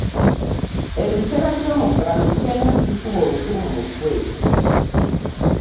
Ebiseera by'omuggalo tugenda tubikuba oluku mu mutwe.